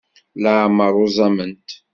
Leɛmer uẓament.